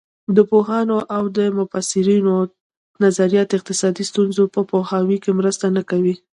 د پوهانو او مبصرینو نظریات اقتصادي ستونزو په پوهاوي کې مرسته نه کوي.